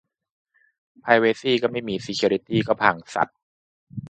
"ไพรเวซี่ก็ไม่มี เซเคียวริตี้ก็พัง สัส"